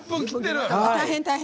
大変、大変。